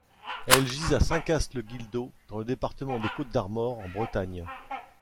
Elles gisent à Saint-Cast-le-Guildo, dans le département des Côtes-d’Armor, en Bretagne.